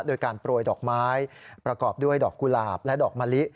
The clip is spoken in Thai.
โดยการโปรยดอกไม้ประกอบด้วยดอกกุหลาบและดอกมะลิ